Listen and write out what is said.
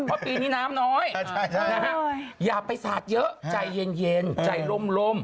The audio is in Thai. เพราะปีนี้น้ำน้อยอย่าไปสาดเยอะใจเย็นใจร่ม